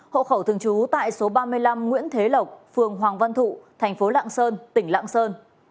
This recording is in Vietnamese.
hộ khẩu thường trú tại số ba mươi năm nguyễn thế lộc phường hoàng văn thụ thành phố lạng sơn tỉnh lạng sơn